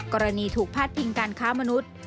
กรณีถูกพาดพิงการค้ามนุษย์